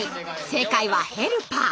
正解は「ヘルパー」！